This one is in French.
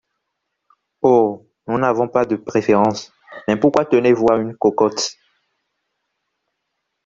Oh ! nous n’avons pas de préférence, mais pourquoi tenez-vous à une cocotte ?